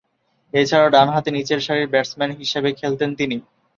এছাড়াও, ডানহাতে নিচেরসারির ব্যাটসম্যান হিসেবে খেলতেন তিনি।